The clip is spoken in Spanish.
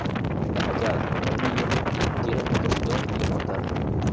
La fachada, en ladrillo, tiene un rosetón y dos portales.